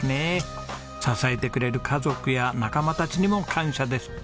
支えてくれる家族や仲間たちにも感謝です。